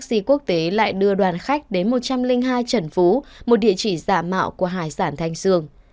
ty quốc tế lại đưa đoàn khách đến một trăm linh hai trần phú một địa chỉ giả mạo của hải sản thanh sương